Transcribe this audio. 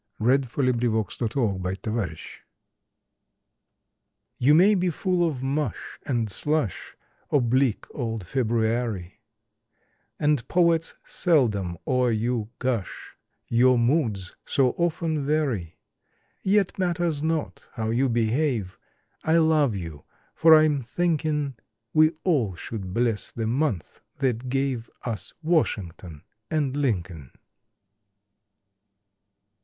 February Seventh TO FEBRUARY may be full of mush and slush, O bleak old February, And Poets seldom o er you gush, Your moods so often vary; Yet matters not how you behave I love you, for I m thinkin We all should bless the month that gave Us WASHINGTON and LINCOLN!